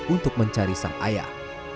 untuk mencari sang ayah